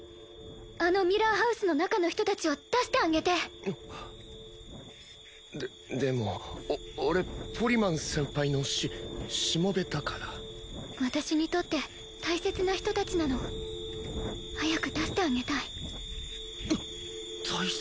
あのミラーハウスの中の人達を出してあげてででもお俺ポリマン先輩のししもべだから私にとって大切な人達なの早く出してあげたい大切？